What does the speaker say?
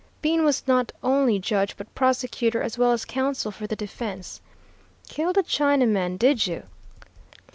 Bean was not only judge but prosecutor, as well as counsel for the defense. 'Killed a Chinaman, did you?'